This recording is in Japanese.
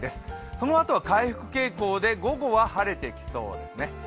そのあとは回復傾向で午後は晴れてきそうですね。